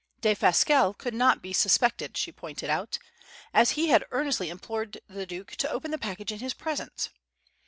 Defasquelle could not be suspected (she pointed out), as he had earnestly implored the Duke to open the package in his presence.